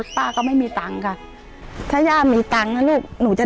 ทุกวันนี้ค่ะป้าเป็นนี่๓๐๐๐๐เพื่อไปรักษาแม่